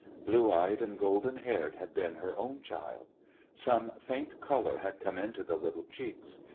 Blue eyed and golden haired had been her own child. Some faint color had come into the little cheeks.